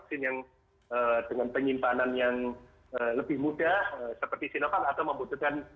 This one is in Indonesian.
seperti sinovac atau membutuhkan